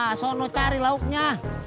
asal lu cari lauknya